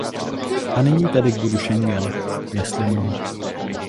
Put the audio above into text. A nyní tedy k bodu Schengen, jestli mohu.